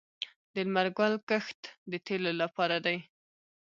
د لمر ګل کښت د تیلو لپاره دی